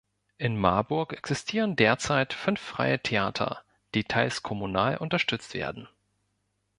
In Marburg existieren derzeit fünf freie Theater, die teils kommunal unterstützt werden.